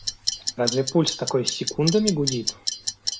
Разве пульс такой секундами гудит?!